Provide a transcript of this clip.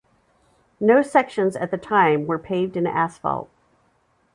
No sections at the time were paved in asphalt.